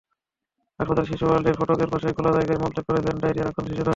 হাসপাতালের শিশু ওয়ার্ডের ফটকের পাশেই খোলা জায়গায় মলত্যাগ করছে ডায়রিয়ায় আক্রান্ত শিশুরা।